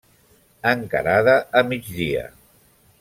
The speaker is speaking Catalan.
Encarada a migdia.